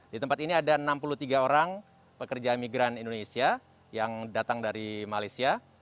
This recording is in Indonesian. di tempat ini ada enam puluh tiga orang pekerja migran indonesia yang datang dari malaysia